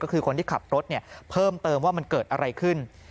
ก็คือคนที่ขับรถเพิ่มเติมว่ามันเกิดอะไรขึ้น